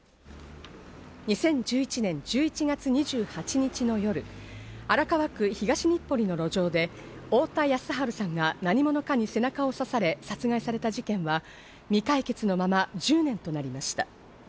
２０１１年１１月２８日の夜、荒川区東日暮里の路上で太田康治さんが何者かに背中を刺され殺害された事件は、未解決のまま１０年となりました。